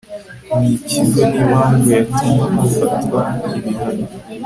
n ikigo ni impamvu yatuma hafatwa ibihano